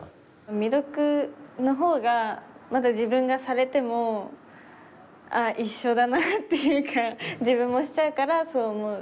未読の方がまだ自分がされてもああ一緒だなっていうか自分もしちゃうからそう思う。